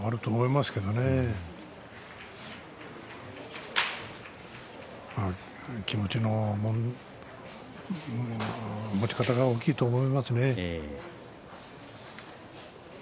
まあ、気持ちの持ち方が大きいと思いますね。